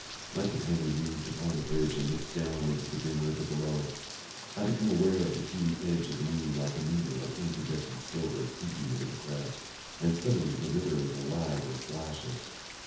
My companion leans upon the bridge and looks down into the dim river below. I become aware of the keen edge of the moon like a needle of incandescent silver creeping over the crest, and suddenly the river is alive with flashes.